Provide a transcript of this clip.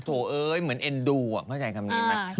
เอ้ยเหมือนเอ็นดูเข้าใจคำนี้ไหม